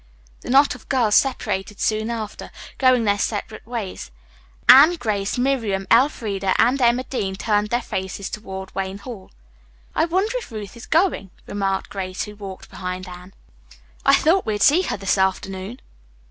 The knot of girls separated soon after, going their separate ways. Anne, Grace, Miriam, Elfreda and Emma Dean turned their faces toward Wayne Hall. "I wonder if Ruth is going?" remarked Grace, who walked behind Anne. "I thought we'd see her this afternoon."